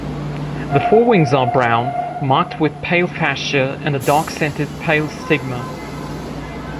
The forewings are brown, marked with pale fascia and a dark-centred pale stigma.